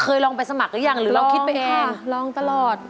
ลองไปสมัครหรือยังหรือลองคิดไปเองลองตลอด